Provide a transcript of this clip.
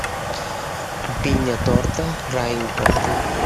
Vinya torta, raïm porta.